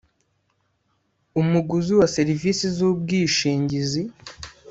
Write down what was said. umuguzi wa serivisi z ubwishingizi